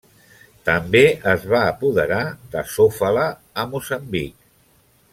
També es va apoderar de Sofala, a Moçambic.